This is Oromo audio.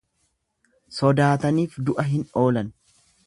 Sodaataniif du'a hin oolan.